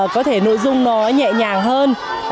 có thể nội dung nó nhẹ nhàng hơn